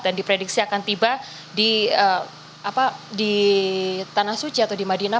dan diprediksi akan tiba di tanah suci atau di madinah